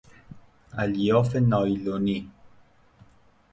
الیاف نایلونی